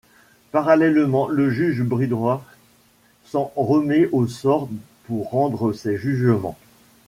Parallèlement, le juge Bridoye s’en remet aux sorts pour rendre ses jugements.